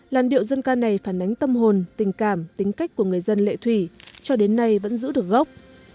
làn điệu dân ca này phản ánh tâm hồn tình cảm tính cách của người dân lệ thủy cho đến nay vẫn giữ được gốc